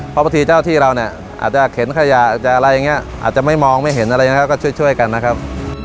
เพราะบางทีเจ้าที่เราเนี่ยอาจจะเข็นขยะจะอะไรอย่างนี้อาจจะไม่มองไม่เห็นอะไรนะครับก็ช่วยกันนะครับ